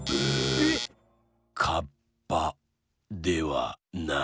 えっ⁉カッパではない。